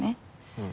うん。